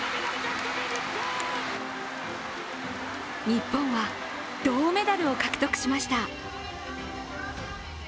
日本は銅メダルを獲得しました。